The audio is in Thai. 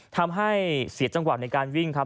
ทำให้เสียจังหวะในการวิ่งครับ